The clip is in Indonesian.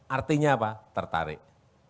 artinya apa tertarik